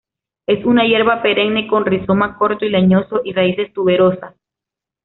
Es una hierba perenne con rizoma corto y leñoso y raíces tuberosas.